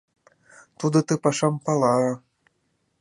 Тудо ты пашам пала-а!